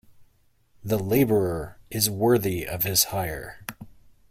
The labourer is worthy of his hire.